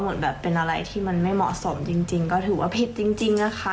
แบบเป็นอะไรที่มันไม่เหมาะสมจริงก็ถือว่าผิดจริงอะค่ะ